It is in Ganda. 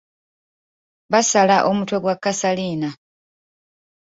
Basala omutwe gwa Kasalina.